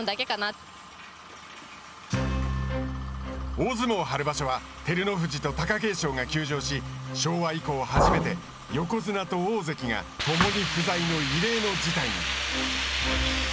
大相撲春場所は照ノ富士と貴景勝が休場し昭和以降初めて横綱と大関が共に不在の異例の事態に。